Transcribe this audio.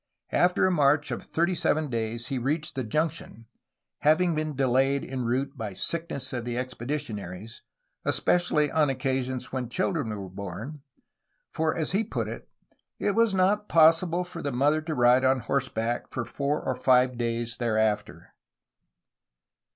After a march of thirty seven days he reached the junction, having been delayed en route by sick ness of the expeditionaries, especially on occasions when childred were bom, for, as he put it, it was not possible for the mother to ride on horseback "for four or five days'' thereafter!